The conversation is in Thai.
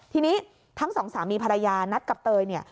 ทีนี้ทั้งสองสามีภรรยานัดกับเตยเนี่ย